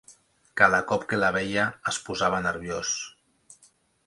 Cada cop que la veia, es posava nerviós.